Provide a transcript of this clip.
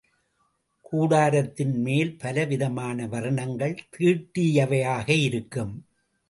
கூடாரத்தின் மேல் பல விதமான வர்ணங்கள் தீட்டியவையாக இருக்கும்.